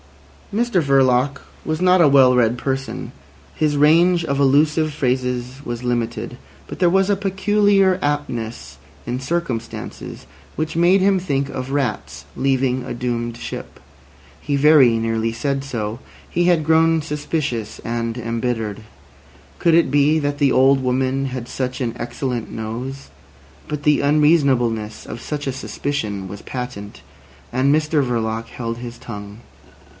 Mr Verloc was not a well read person; his range of allusive phrases was limited, but there was a peculiar aptness in circumstances which made him think of rats leaving a doomed ship. He very nearly said so. He had grown suspicious and embittered. Could it be that the old woman had such an excellent nose? But the unreasonableness of such a suspicion was patent, and Mr Verloc held his tongue.